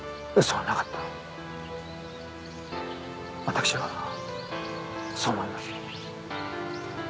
私はそう思います。